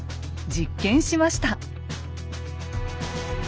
実験しました。